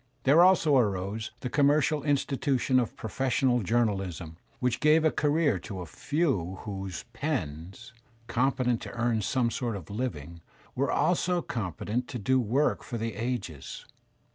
There also arose the commercial institution of professional journalism which gave a career to a few whose pens, competent to earn some sort of living, were also competent to do work for the ages.